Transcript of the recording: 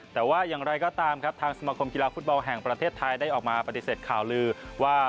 แต่ว่าอย่างไรก็ตามครับทางสมคมกีฬาฟุตบอลแห่งประเทศไทยได้ออกมาปฏิเสธข่าวลือว่า